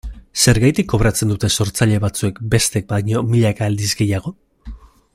Zergatik kobratzen dute sortzaile batzuek bestek baino milaka aldiz gehiago?